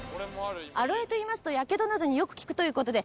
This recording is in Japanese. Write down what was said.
アロエといいますと、やけどなどによく効くということで。